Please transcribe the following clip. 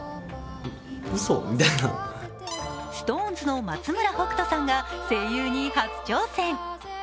ＳｉｘＴＯＮＥＳの松村北斗さんが声優に初挑戦。